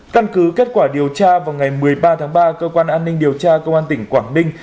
căn cứ kết quả điều tra vào ngày một mươi ba tháng ba cơ quan an ninh điều tra công an tỉnh quảng ninh